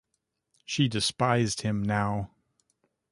She despised him now.